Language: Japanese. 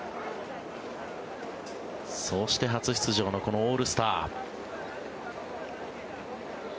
そうして初出場のオールスター。